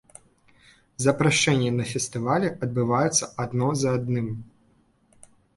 Запрашэнні на фестывалі адбываюцца адно за адным.